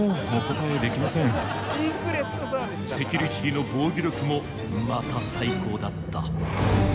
セキュリティの防御力もまた最高だった。